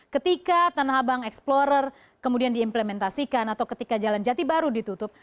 ketika tanah abang explorer kemudian diimplementasikan atau ketika jalan jati baru ditutup